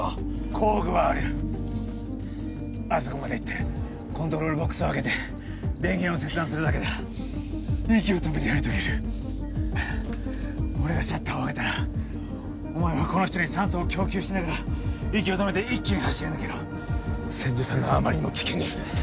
工具はあるあそこまで行ってコントロールボックスを開けて電源を切断するだけだ息を止めてやり遂げる俺がシャッターを上げたらお前はこの人に酸素を供給しながら息を止めて一気に走り抜けろ千住さんがあまりにも危険です